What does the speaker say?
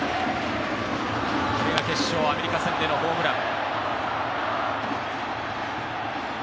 これが決勝・アメリカ戦でのホームラン。